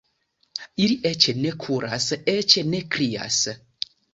Ili eĉ ne kuras, eĉ ne krias.